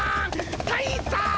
たいさん！